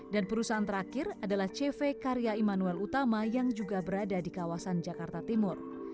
dan perusahaan terakhir adalah cv karya immanuel utama yang juga berada di kawasan jakarta timur